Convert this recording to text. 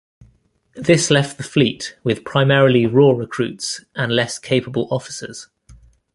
This left the fleet with primarily raw recruits and less capable officers.